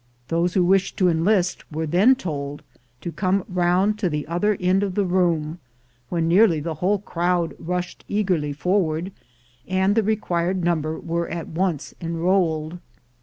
Those who wished to enlist were then told to come round to the other end of the room, when nearly the INDIANS AND CHINAMEN 137 whole crowd rushed eagerly forward, and the re quired number were at once enrolled.